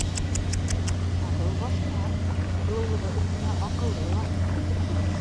Ә был - башҡа, һылыулығы өҫтөнә аҡыллы ла.